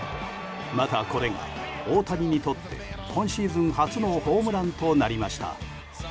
また、これが大谷にとって今シーズン初のホームランとなりました。